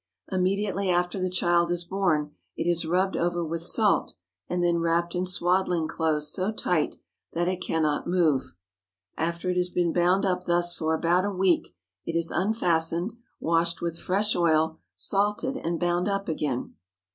Imme diately after the child is born it is rubbed over with salt and then wrapped in swaddling clothes so tight that it cannot move. After it has been bound up thus for about a week, it is unfastened, washed with fresh oil, salted, and bound up again.